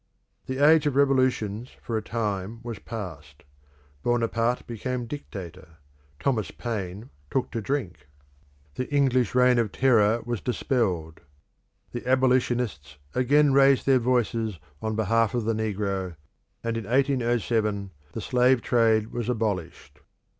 The age of revolutions for a time was past; Bonaparte became Dictator; Thomas Paine took to drink; the English reign of terror was dispelled; the abolitionists again raised their voices on behalf of the negro, and in 1807 the slave trade was abolished.